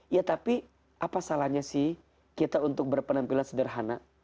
ya tapi apa salahnya sih kita untuk berpenampilan sederhana